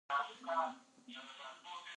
تاریخ د خپل ولس د جګړو او سولې يادښت دی.